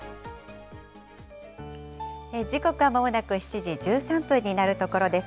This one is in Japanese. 時刻はまもなく７時１３分になるところです。